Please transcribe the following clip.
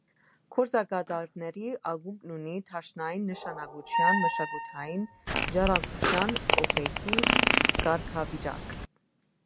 Գործակատարների ակումբն ունի դաշնային նշանակության մշակութային ժառանգության օբյեկտի կարգավիճակ։